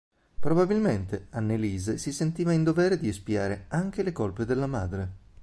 Probabilmente Anneliese si sentiva in dovere di espiare anche le colpe della madre.